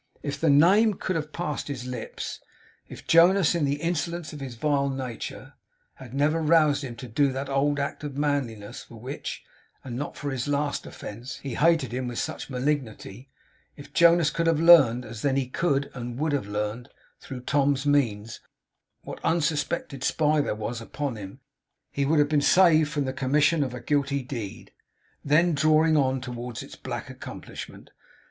If the name could have passed his lips; if Jonas, in the insolence of his vile nature, had never roused him to do that old act of manliness, for which (and not for his last offence) he hated him with such malignity; if Jonas could have learned, as then he could and would have learned, through Tom's means, what unsuspected spy there was upon him; he would have been saved from the commission of a Guilty Deed, then drawing on towards its black accomplishment.